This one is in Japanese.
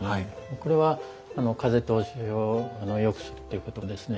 これは風通しをよくするっていうことですね。